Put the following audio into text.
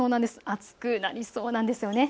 暑くなりそうなんですよね。